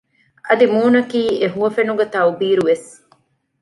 އަދި މޫނަކީ އެ ހުވަފެނުގެ ތައުބީރު ވެސް